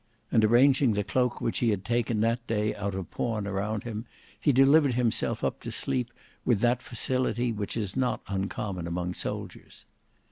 And arranging the cloak which he had taken that day out of pawn around him, he delivered himself up to sleep with that facility which is not uncommon among soldiers.